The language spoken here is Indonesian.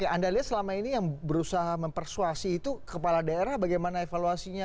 anda lihat selama ini yang berusaha mempersuasi itu kepala daerah bagaimana evaluasinya